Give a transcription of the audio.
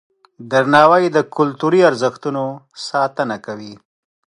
درناوی د کلتوري ارزښتونو ساتنه کوي.